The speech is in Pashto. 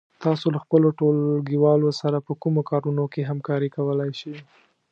تاسو له خپلو ټولگيوالو سره په کومو کارونو کې همکاري کولای شئ؟